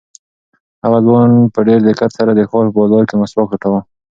هغه ځوان په ډېر دقت سره د ښار په بازار کې مسواک لټاوه.